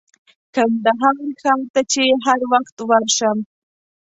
کندهار ښار ته چې هر وخت ورشم.